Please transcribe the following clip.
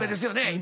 今。